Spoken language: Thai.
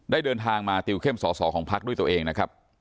เดินทางมาติวเข้มสอสอของพักด้วยตัวเองนะครับ